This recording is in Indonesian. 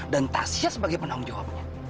dan tasya sebagai penang jawabnya